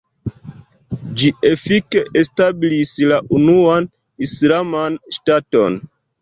Ĝi efike establis la unuan islaman ŝtaton.